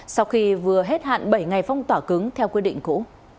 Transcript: sau khi vừa hết hạn bảy ngày phong tỏa cứng theo quy định cũ